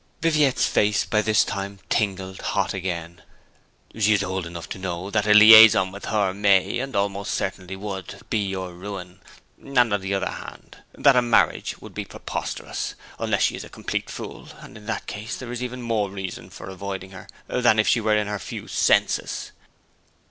(Viviette's face by this time tingled hot again.) 'She is old enough to know that a liaison with her may, and almost certainly would, be your ruin; and, on the other hand, that a marriage would be preposterous unless she is a complete fool; and in that case there is even more reason for avoiding her than if she were in her few senses.